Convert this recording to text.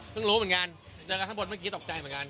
ก็รู้เหมือนกันเจอกันข้างบนเมื่อกี้ตกใจเหมือนกัน